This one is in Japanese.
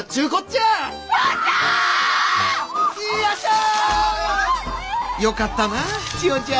よかったな千代ちゃん。